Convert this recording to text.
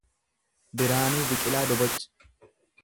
Biraanuu Biqilaa Doboc